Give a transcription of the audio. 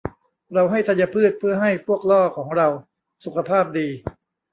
เราให้ธัญพืชเพื่อให้พวกล่อของเราสุขภาพดี